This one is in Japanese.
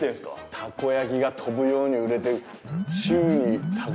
たこ焼きが飛ぶように売れて。